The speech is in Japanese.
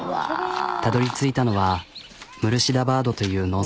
たどりついたのはムルシダバードという農村。